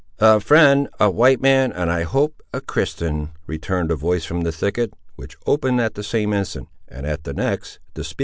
"A friend, a white man, and, I hope, a Christian," returned a voice from the thicket; which opened at the same instant, and at the next the speaker made his appearance.